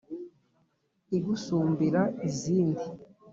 igusumbira izindi